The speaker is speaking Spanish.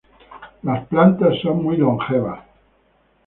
Las plantas son muy longevas.